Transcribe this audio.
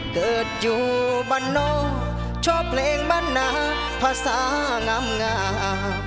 เกิดอยู่บ้านโน่ชอบเพลงบ้านหน้าภาษาง่ำงาบ